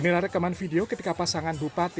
tapi ini tidak cukup harus berubah